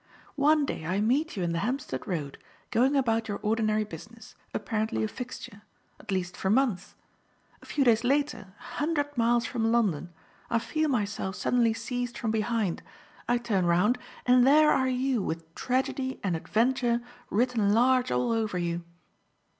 One day I meet you in the Hampstead Road, going about your ordinary business, apparently a fixture, at least for months. A few days later, a hundred miles from London, I feel myself suddenly seized from behind; I turn round and there are you with tragedy and adventure written large all over you."